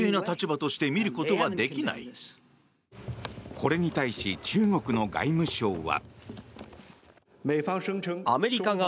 これに対し中国の外務省は。